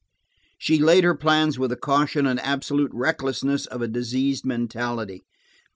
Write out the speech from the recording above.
She laid her plans with the caution and absolute recklessness of a diseased mentality.